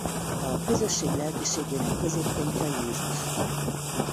A Közösség lelkiségének középpontja Jézus.